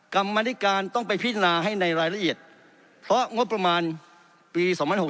กรรมนิการต้องไปพิจารณาให้ในรายละเอียดเพราะงบประมาณปี๒๖๖